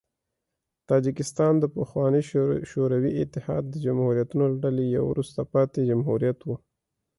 تاجکستان د پخواني شوروي اتحاد د جمهوریتونو له ډلې یو وروسته پاتې جمهوریت و.